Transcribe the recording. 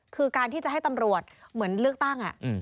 คือการที่จะให้ตำรวจเหมือนเลือกตั้ง